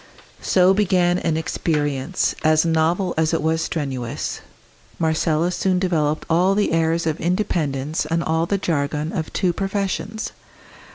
So began an experience, as novel as it was strenuous. Marcella soon developed all the airs of independence and all the jargon of two professions.